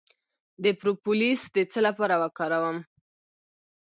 د پروپولیس د څه لپاره وکاروم؟